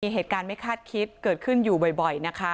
เหตุการณ์ไม่คาดคิดเกิดขึ้นอยู่บ่อยนะคะ